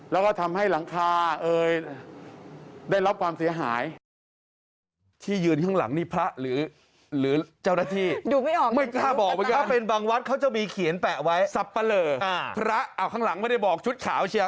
แล้วก็ทำให้หลังคาเอยได้รับความเสียหาย